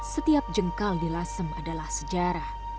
setiap jengkal di lasem adalah sejarah